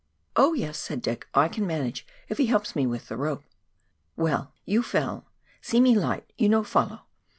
" Oh yes," said Dick, " I can manage if he helps me with the rope," "Well, you fell' see I me light, you no follow.